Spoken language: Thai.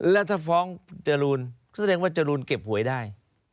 แล้วถ้าฟ้องจรูนก็แสดงว่าจรูนเก็บหวยได้